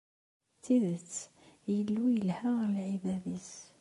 D tidet, Illu yelha ɣer lεibad-is.